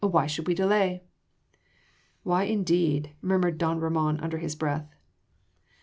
Why should we delay?" "Why, indeed?" murmured don Ramon under his breath.